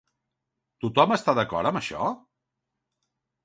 Tothom està d'acord amb això?